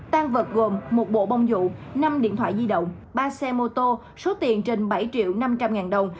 tan vật gồm một bộ bông dụ năm điện thoại di động ba xe mô tô số tiền trên bảy triệu năm trăm linh ngàn đồng